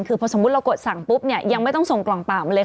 คือพอสมมุติเรากดสั่งปุ๊บเนี่ยยังไม่ต้องส่งกล่องเปล่ามาเลย